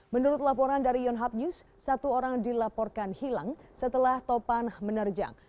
menurut laporan dari yonhab news satu orang dilaporkan hilang setelah topan menerjang